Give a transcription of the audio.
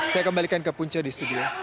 saya kembalikan ke punca di studio